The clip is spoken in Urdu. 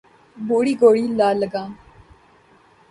بوڑھی گھوڑی لال لگام